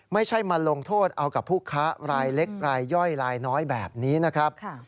ไม่ใช่มาลงโทษเอากับผู้ค้ารายเล็กรายย่อยรายน้อยแบบนี้นะครับ